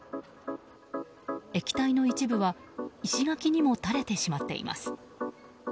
液体の一部は石垣にもたれてしまっています。